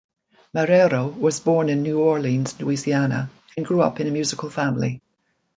Marrero was born in New Orleans, Louisiana and grew up in a musical family.